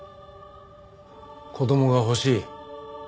子供が欲しい。